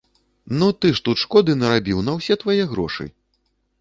Ну, ты ж тут шкоды нарабіў на ўсе твае грошы.